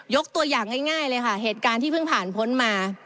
ตัวอย่างง่ายเลยค่ะเหตุการณ์ที่เพิ่งผ่านพ้นมา